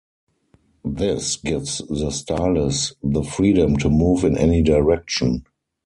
This gives the stylus the freedom to move in any direction.